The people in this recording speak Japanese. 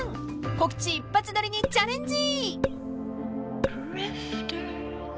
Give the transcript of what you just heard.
［告知一発撮りにチャレンジ！］